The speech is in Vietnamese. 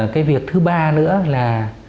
cái việc thứ ba nữa là